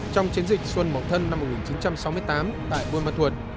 trong chiến dịch xuân mẫu thân năm một nghìn chín trăm sáu mươi tám tại bươn mặt thuật